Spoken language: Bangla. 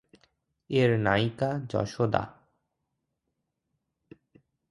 এর নায়িকা যশােদা।